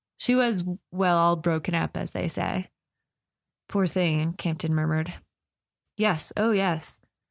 She was—well, all broken up, as they say." "Poor thing!" Camp ton murmured. "Yes—oh, yes!"